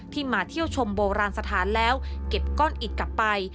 มาเที่ยวชมโบราณสถานแล้วเก็บก้อนอิดกลับไป